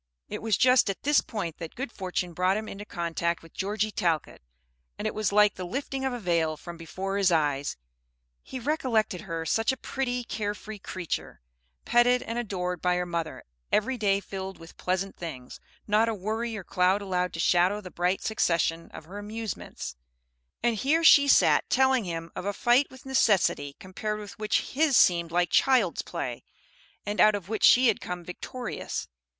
It was just at this point that good fortune brought him into contact with Georgie Talcott, and it was like the lifting of a veil from before his eyes. He recollected her such a pretty, care free creature, petted and adored by her mother, every day filled with pleasant things, not a worry or cloud allowed to shadow the bright succession of her amusements; and here she sat telling him of a fight with necessity compared with which his seemed like child's play, and out of which she had come victorious.